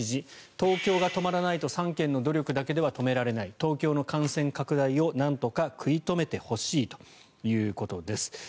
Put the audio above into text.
東京が止まらないと３県の努力だけでは止められない東京の感染拡大をなんとか食い止めてほしいということです。